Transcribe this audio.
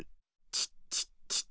チッチッチッチッ。